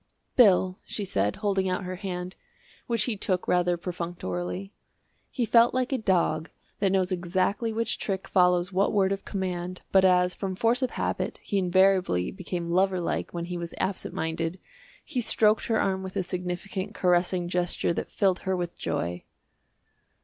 "Bill," she said, holding out her hand, which he took rather perfunctorily. He felt like a dog that knows exactly which trick follows what word of command, but as, from force of habit, he invariably became lover like when he was absent minded, he stroked her arm with a significant caressing gesture that filled her with joy.